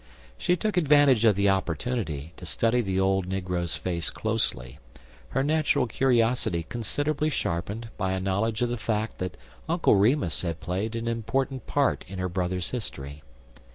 She took advantage of the opportunity to study the old negro's face closely, her natural curiosity considerably sharpened by a knowledge of the fact that Uncle Remus had played an important part in her brother's history.